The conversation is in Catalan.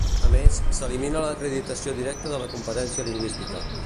A més, s’elimina l’acreditació directa de la competència lingüística.